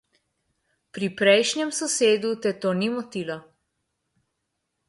Pri prejšnjem sosedu te to ni motilo.